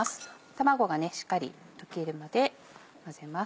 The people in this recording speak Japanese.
卵がしっかり溶けるまで混ぜます。